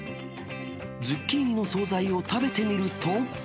ズッキーニの総菜を食べてみると。